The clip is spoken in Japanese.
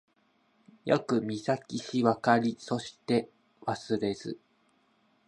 よくみききしわかりそしてわすれず